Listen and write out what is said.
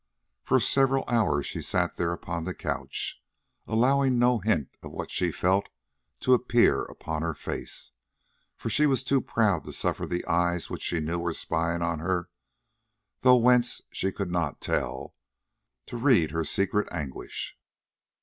For several hours she sat there upon the couch, allowing no hint of what she felt to appear upon her face, for she was too proud to suffer the eyes which she knew were spying on her, though whence she could not tell, to read her secret anguish.